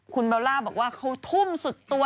คุณเบลล่าบอกว่าเขาทุ่มสุดตัว